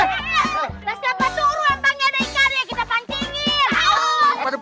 siapa tuh empangnya reka